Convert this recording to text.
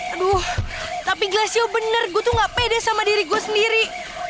aduh tapi glacio benar gue tuh gak pede sama diri gue sendiri